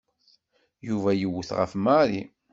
Yuba yewwet ɣef Mary.